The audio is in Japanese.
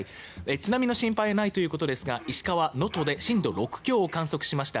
津波の心配はないということですが石川・能登で震度６強を観測しました。